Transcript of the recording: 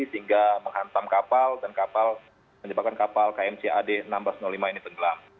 sehingga menghantam kapal dan menyebabkan kapal kmc ad seribu enam ratus lima ini tenggelam